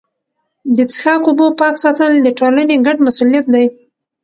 د څښاک اوبو پاک ساتل د ټولني ګډ مسوولیت دی.